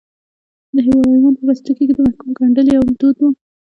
د حیوان په پوستکي کې د محکوم ګنډل یو دود و.